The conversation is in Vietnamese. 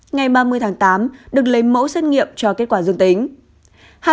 ngày ba mươi tháng tám được lấy mẫu xét nghiệm cho kết quả dương tính